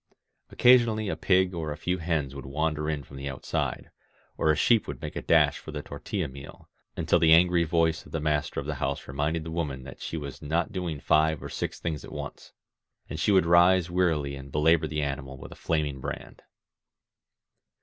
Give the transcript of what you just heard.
Occasionally a pig or a few hens would wander in from the outside, or a sheep would make a dash for the tortSla meal, until the angry voice of the master 17 INSURGENT MEXICO of the house reminded the woman that she was not doing five or six things at once. And she would rise wearily and belabor the animal with a flaming brand.